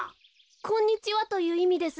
「こんにちは」といういみです。